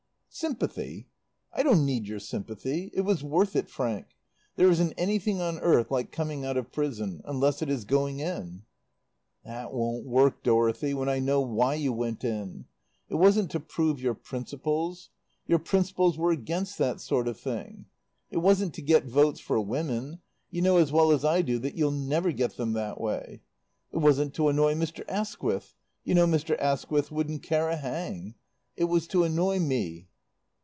"Sympathy? I don't need your sympathy. It was worth it, Frank. There isn't anything on earth like coming out of prison. Unless it is going in." "That won't work, Dorothy, when I know why you went in. It wasn't to prove your principles. Your principles were against that sort of thing. It wasn't to get votes for women. You know as well as I do that you'll never get them that way. It wasn't to annoy Mr. Asquith. You knew Mr. Asquith wouldn't care a hang. It was to annoy me."